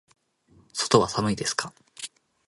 外は寒いですか。